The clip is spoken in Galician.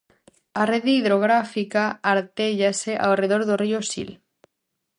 A rede hidrográfica artéllase ao redor do río Sil.